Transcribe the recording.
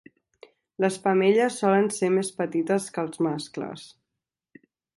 Les femelles solen ser més petites que els mascles.